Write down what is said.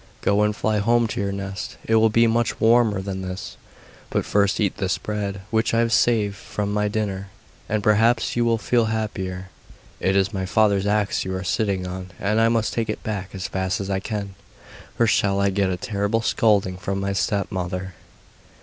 Go and fly home to your nest, it will be much warmer than this; but first eat this bread, which I saved from my dinner, and perhaps you will feel happier. It is my father's axe you are sitting on, and I must take it back as fast as I can, or I shall get a terrible scolding from my stepmother.